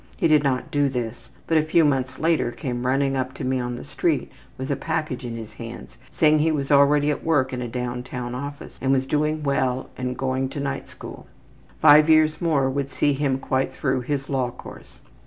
He did not do this, but a few months later came running up to me on the street with a package in his hands, saying he was already at work in a downtown office and was doing well and going to night school. Five years more would see him quite through his law course.